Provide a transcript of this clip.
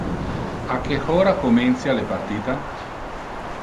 A que hora comencia le partita?